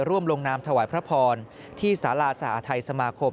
ร่วมลงนามถวายพระพรที่สาราสหทัยสมาคม